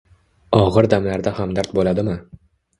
og‘ir damlarda hamdard bo‘ladimi?